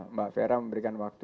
mbak vera memberikan waktu